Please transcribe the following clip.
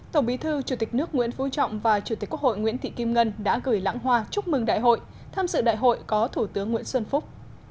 tổng bí thư chủ tịch nước nguyễn phú trọng và chủ tịch quốc hội nguyễn thị kim ngân đã gửi lãng hoa chúc mừng đại hội tham dự đại hội có thủ tướng nguyễn xuân phúc